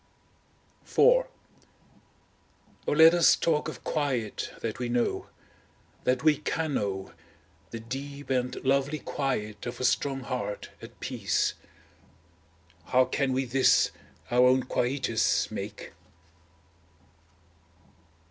IV O let us talk of quiet that we know, that we can know, the deep and lovely quiet of a strong heart at peace! How can we this, our own quietus, make?